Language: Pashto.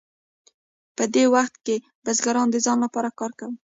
په دې وخت کې بزګرانو د ځان لپاره کار کاوه.